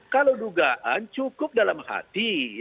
kalau dugaan cukup dalam hati